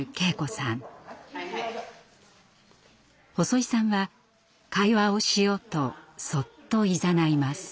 細井さんは会話をしようとそっといざないます。